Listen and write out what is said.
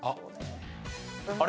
あれ？